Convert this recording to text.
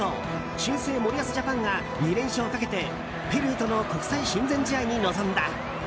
新生森保ジャパンが２連勝をかけてペルーとの国際親善試合に臨んだ。